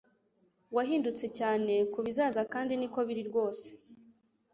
Wahindutse cyane kubizaza kandi niko biri rwose